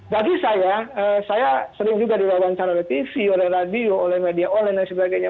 bagi saya saya sering juga diwawancara oleh tv oleh radio oleh media online dan sebagainya